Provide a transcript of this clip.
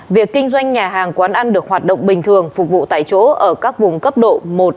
việc kinh doanh nhà hàng quán ăn được hoạt động bình thường phục vụ tại chỗ ở các vùng cấp độ một